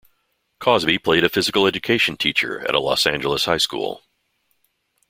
Cosby played a physical education teacher at a Los Angeles high school.